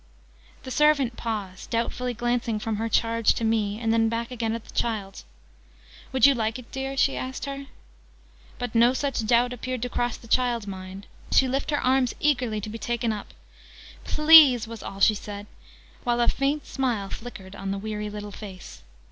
The servant paused, doubtfully glancing from her charge to me, and then back again to the child. "Would you like it, dear?" she asked her. But no such doubt appeared to cross the child's mind: she lifted her arms eagerly to be taken up. "Please!" was all she said, while a faint smile flickered on the weary little face.